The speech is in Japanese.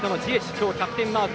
今日キャプテンマーク。